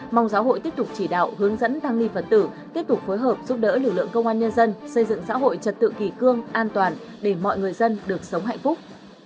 mong giáo hội tiếp tục chỉ đạo hướng dẫn tăng ni phật tử tiếp tục phối hợp giúp đỡ lực lượng công an nhân dân xây dựng xã hội trật tự kỳ cương an toàn để mọi người dân được sống hạnh phúc